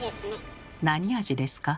何味ですか？